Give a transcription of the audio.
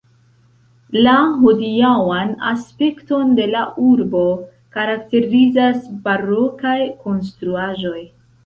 La hodiaŭan aspekton de la urbo karakterizas barokaj konstruaĵoj.